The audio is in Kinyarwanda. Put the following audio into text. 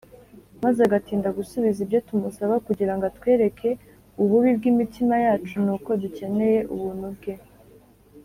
maze agatinda gusubiza ibyo tumusaba kugira ngo atwereke ububi bw’imitima yacu, n’uko dukeneye ubuntu bwe.